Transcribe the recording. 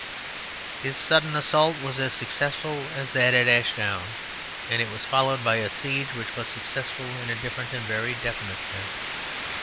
His sudden assault was as successful as that at Ashdown, and it was followed by a siege which was successful in a different and very definite sense.